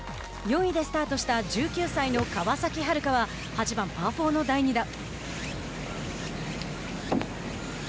４位でスタートした１９歳の川崎春花は８番、パー４の第２打。